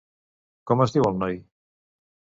Com es diu el noi?